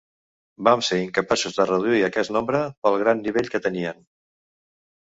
Vam ser incapaços de reduir aquest nombre, pel gran nivell que tenien.